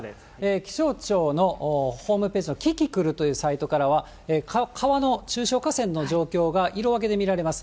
気象庁のホームページのキキクルというサイトからは、川の中小河川の状況が色分けで見られます。